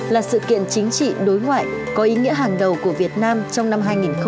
là sự kiện chính trị đối ngoại có ý nghĩa hàng đầu của việt nam trong năm hai nghìn một mươi chín